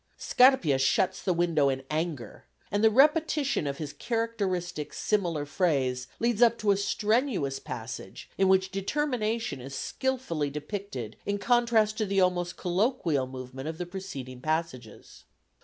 Scarpia shuts the window in anger, and the repetition of his characteristic similar phrase leads up to a strenuous passage in which determination is skilfully depicted in contrast to the almost colloquial movement of the preceding passages.